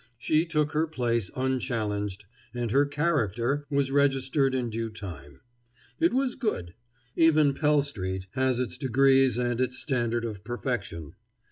She took her place unchallenged, and her "character" was registered in due time. It was good. Even Pell street has its degrees and its standard of perfection.